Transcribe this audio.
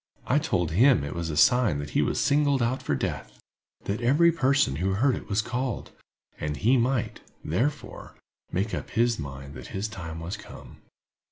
I told him it was a sign that he was singled out for death—that every person who heard it was called, and he might, therefore, make up his mind that his time was come.